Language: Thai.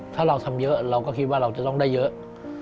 ถ้าเราทำเยอะเราก็คิดว่าเราจะต้องได้เยอะ